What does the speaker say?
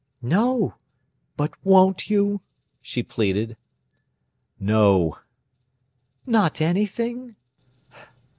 "No; but won't you?" she pleaded. "No." "Not anything?"